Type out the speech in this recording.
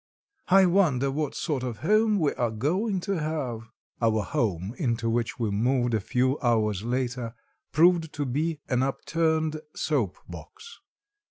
"I wonder what sort of home we are going to have." Our home, into which we moved a few hours later, proved to be an upturned soap box.